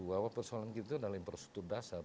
bahwa persoalan kita dalam persentu dasar